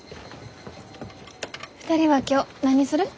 ２人は今日何にする？